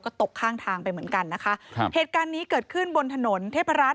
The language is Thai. ก็ตกข้างทางไปเหมือนกันนะคะครับเหตุการณ์นี้เกิดขึ้นบนถนนเทพรัฐ